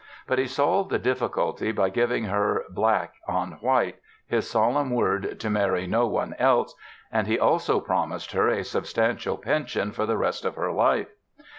But he solved the difficulty by giving her black on white, his solemn word to marry "no one else" and he also promised her a substantial pension for the rest of her life.